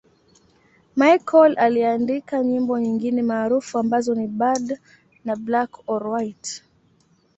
Michael aliandika nyimbo nyingine maarufu ambazo ni 'Bad' na 'Black or White'.